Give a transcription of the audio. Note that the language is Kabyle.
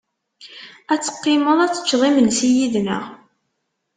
Ad teqqimeḍ ad teččeḍ imensi yid-neɣ.